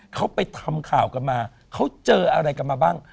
เขาไปทำข่าวกันมาเขาเจออะไรกันมาบ้าง